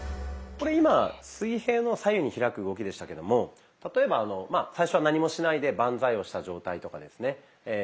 これ今水平の左右に開く動きでしたけども例えば最初は何もしないでバンザイをした状態とかですね。